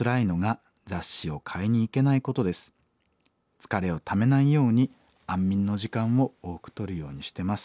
疲れをためないように安眠の時間を多くとるようにしてます」。